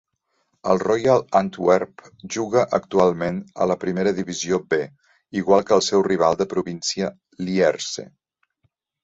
El Royal Antwerp juga actualment a la Primera Divisió B, igual que el seu rival de província Lierse.